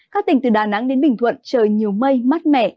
các tỉnh từ đà nẵng đến bình thuận trời nhiều mây mát mẻ